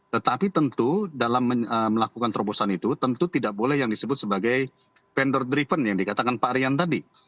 tetapi tentu dalam melakukan terobosan itu tentu tidak boleh yang disebut sebagai vendor driven yang dikatakan pak rian tadi